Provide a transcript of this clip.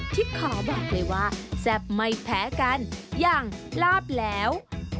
ที่ขอบอกเลยว่าแซ่บไม่แพ้กันอย่างลาบแล้ว